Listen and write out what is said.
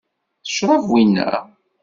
D ccṛab wina?